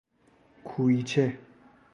کویچه